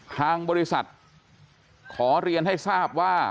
ทางบริษัทขอเรียนให้ทราบว่า